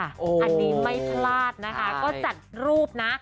อันนี้ไม่พลาดนะคะก็จัดรูปนะ